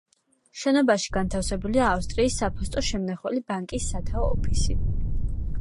შენობაში განთავსებულია ავსტრიის საფოსტო შემნახველი ბანკის სათაო ოფისი.